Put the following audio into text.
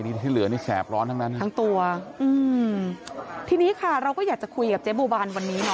นี่ที่เหลือนี่แสบร้อนทั้งนั้นทั้งตัวอืมทีนี้ค่ะเราก็อยากจะคุยกับเจ๊บัวบานวันนี้เนาะ